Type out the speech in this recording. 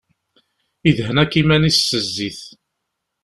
Idhen akk iman-is s zzit.